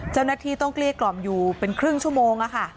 เจ้าหน้าที่ต้องเกลี้ยกล่อมอยู่เป็นครึ่งชั่วโมง